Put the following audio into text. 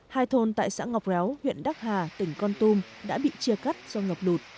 hai thôn tại xã ngọc réo huyện đắc hà tỉnh con tum đã bị chia cắt do ngọc đụt